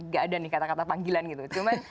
gak ada nih kata kata panggilan gitu cuma